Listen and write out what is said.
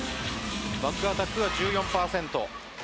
バックアタックが１４％。